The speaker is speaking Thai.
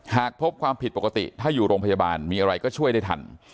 หากพบความผิดปกติถ้าอยู่โรงพยาบาลมีอะไรก็ช่วยได้ทัน